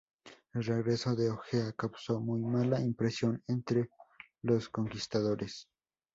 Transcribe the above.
El regreso de Ojea causó muy mala impresión entre los conquistadores.